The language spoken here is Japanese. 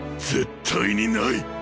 絶対にない！